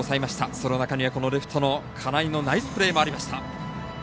その中には、レフトの金井のナイスプレーもありました。